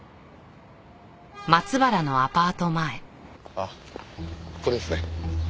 あっここですね。